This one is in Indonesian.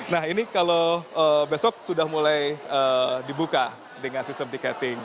nah ini kalau besok sudah mulai dibuka dengan sistem tiketing